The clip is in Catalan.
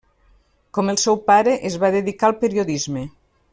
Com el seu pare, es va dedicar al periodisme.